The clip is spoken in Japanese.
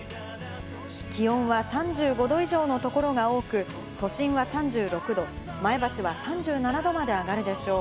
気温は３５℃以上のところが多く、都心は３６度、前橋は３７℃まで上がるでしょう。